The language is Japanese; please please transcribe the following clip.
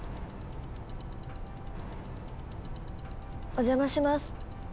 お邪魔します。